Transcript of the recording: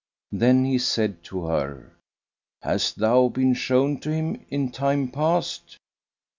Then he said to her, "Hast thou been shown to him in time past?"